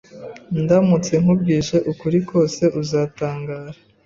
Ndamutse nkubwije ukuri kose, uzatangara.